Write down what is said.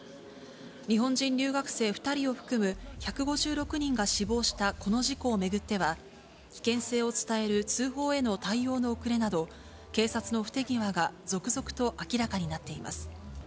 日本人留学生２人を含む１５６人が死亡したこの事故を巡っては、危険性を伝える通報への対応の遅れなど、警察の不手際が続々と明らかになっています。